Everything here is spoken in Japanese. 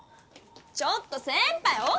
ちょっとせんぱい！